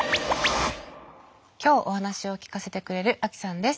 今日お話を聞かせてくれるアキさんです。